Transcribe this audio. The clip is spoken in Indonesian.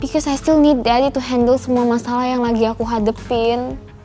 karena aku masih butuh daddy untuk mengatasi semua masalah yang lagi aku hadepin